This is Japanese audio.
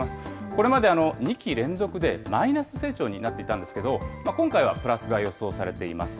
これまで２期連続でマイナス成長になっていたんですけど、今回はプラスが予想されています。